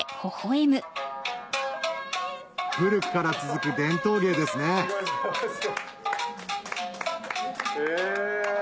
古くから続く伝統芸ですねへぇ。